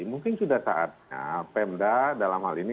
mungkin sudah saatnya pemda dalam hal ini